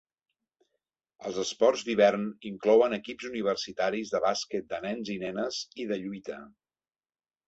Els esports d'hivern inclouen equips universitaris de bàsquet de nens i nenes i de lluita.